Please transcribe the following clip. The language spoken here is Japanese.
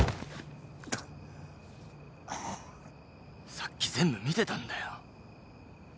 さっき全部見てたんだよ。